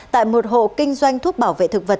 tại một hộ kinh doanh thuốc bảo vệ thực vật